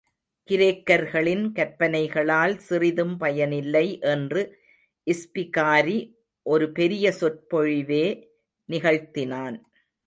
கிரேக்கர்களின் கற்பனைகளால் சிறிதும் பயனில்லை என்று இஸ்பிகாரி ஒரு பெரிய சொற்பொழிவே நிகழ்த்தினான்.